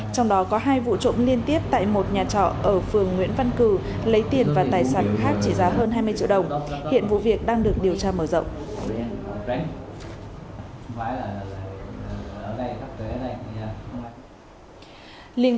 trong đó có hai vụ trộm liên tiếp tại một nhà trọ ở phường nguyễn văn cử lấy tiền và tài sản khác trị giá hơn hai mươi triệu đồng hiện vụ việc đang được điều tra mở rộng